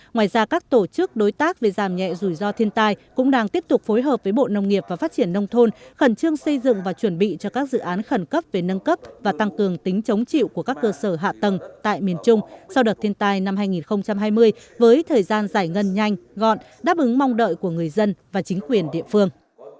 ngoài ra các tổ chức đối tác về giảm nhẹ rủi ro thiên tai cũng đang tiếp tục phối hợp với bộ nông nghiệp và phát triển nông thôn khẩn trương xây dựng và chuẩn bị cho các dự án khẩn cấp về nâng cấp và tăng cường tính chống chịu của các cơ sở hạ tầng tại miền trung sau đợt thiên tai năm hai nghìn hai mươi với thời gian giải ngân nhanh gọn đáp ứng mong đợi của người dân và chính quyền địa phương